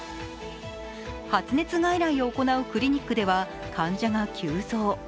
発熱外来を行うクリニックでは患者が急増。